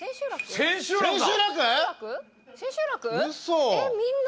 千秋楽だ！